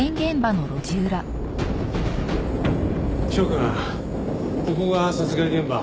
翔くんここが殺害現場。